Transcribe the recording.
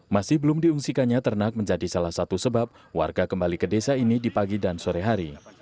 masih belum diungsikannya ternak menjadi salah satu sebab warga kembali ke desa ini di pagi dan sore hari